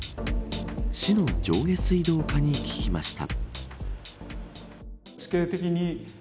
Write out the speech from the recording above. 市の上下水道課に聞きました。